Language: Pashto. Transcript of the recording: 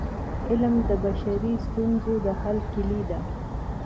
علم د بشري ستونزو د حل کيلي ده.